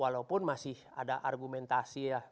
walaupun masih ada argumentasi ya